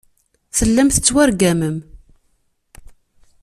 Tellam tettwargamem.